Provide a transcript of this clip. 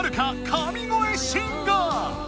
神声シンガー